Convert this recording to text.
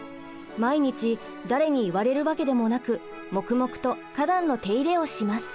毎日誰に言われるわけでもなく黙々と花壇の手入れをします。